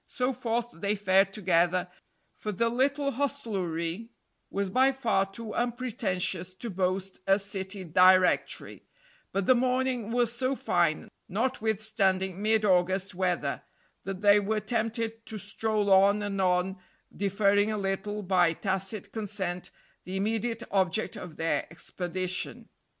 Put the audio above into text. So forth they fared together, for the little hostelry was by far too unpretentious to boast a city directory; but the morning was so fine, notwithstanding mid August weather, that they were tempted to stroll on and on, deferring a little, by tacit consent, the immediate object of their expedition.